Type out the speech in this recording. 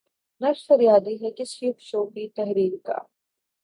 نقش فریادی ہے کس کی شوخیٴ تحریر کا؟